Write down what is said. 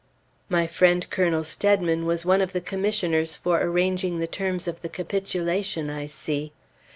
My friend Colonel Steadman was one of the commissioners for arranging the terms of the capitulation, I see.